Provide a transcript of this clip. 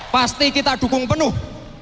pasti kita dukung penuh